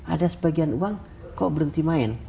ada sebagian uang kok berhenti main